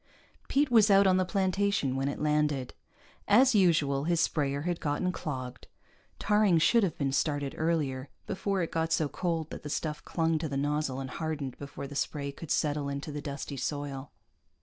Pete was out on the plantation when it landed. As usual, his sprayer had gotten clogged; tarring should have been started earlier, before it got so cold that the stuff clung to the nozzle and hardened before the spray could settle into the dusty soil.